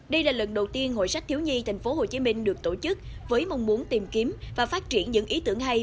đây là lần đầu tiên hội sách thiếu nhi tp hcm được tổ chức với mong muốn tìm kiếm và phát triển những ý tưởng hay